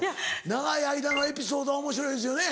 『長い間』のエピソードはおもしろいですよね。